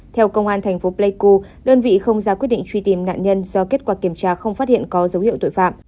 theo công an thành phố pleiku đơn vị không ra quyết định truy tìm nạn nhân do kết quả kiểm tra không phát hiện có dấu hiệu tội phạm